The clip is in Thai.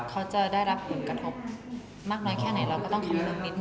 เขาจะได้รับผลกระทบมากน้อยแค่ไหนเราก็ต้องคำนึงนิดน